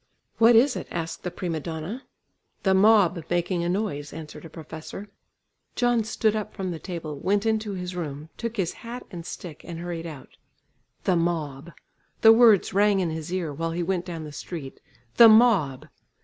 "What is it?" asked the prima donna. "The mob making a noise," answered a professor. John stood up from the table, went into his room, took his hat and stick and hurried out. "The mob!" the words rang in his ear while he went down the street. "The mob!"